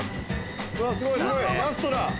うわすごいすごいラストだ！